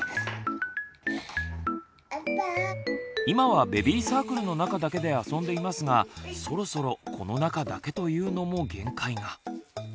今はベビーサークルの中だけで遊んでいますがそろそろこの中だけというのも限界が。